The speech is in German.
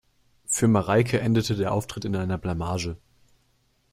Für Mareike endete der Auftritt in einer Blamage.